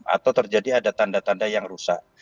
atau terjadi ada tanda tanda yang rusak